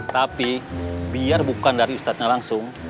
tapi biar bukan dari ustadznya langsung